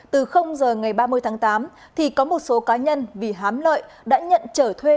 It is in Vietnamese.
từ giờ ngày ba mươi tháng tám thì có một số cá nhân vì hám lợi đã nhận trở thuê